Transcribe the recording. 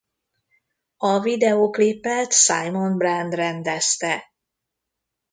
A videóklipet Simon Brand rendezte.